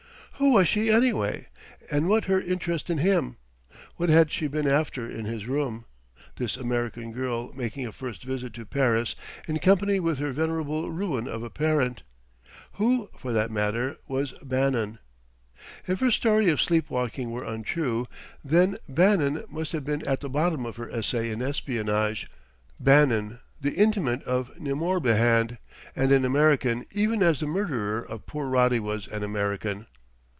Who was she, anyway? And what her interest in him? What had she been after in his room? this American girl making a first visit to Paris in company with her venerable ruin of a parent? Who, for that matter, was Bannon? If her story of sleep walking were untrue, then Bannon must have been at the bottom of her essay in espionage Bannon, the intimate of De Morbihan, and an American even as the murderer of poor Roddy was an American!